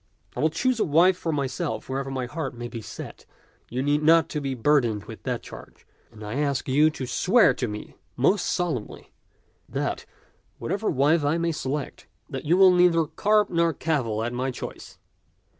I will choose a wife for myself wherever my heart may be set — you need not be burdened with that charge — and I ask you to swear to me most solemnly that, whatever wife I may select, you will neither carp nor cavil at my choice.